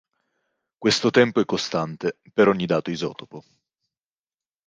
Questo tempo è costante per ogni dato isotopo.